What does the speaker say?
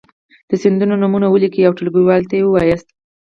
د سیندونو نومونه ولیکئ او ټولګیوالو ته یې وښایاست.